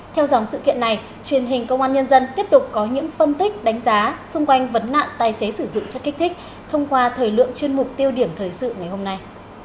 theo dòng sự kiện này truyền hình công an nhân dân tiếp tục có những phân tích đánh giá xung quanh vấn nạn tài xế sử dụng chất kích thích thông qua thời lượng chuyên mục tiêu điểm thời sự ngày hôm nay